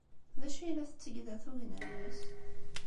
D acu ay la tetteg da tugna-nnes?